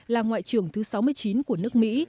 là ngoại trưởng thứ sáu mươi chín của nước mỹ